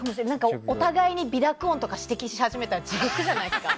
お互いに鼻濁音とか指摘し始めたら地獄じゃないですか。